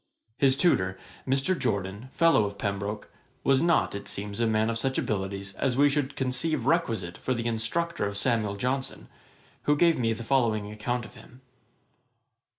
His tutor, Mr. Jorden, fellow of Pembroke, was not, it seems, a man of such abilities as we should conceive requisite for the instructor of Samuel Johnson, who gave me the following account of him.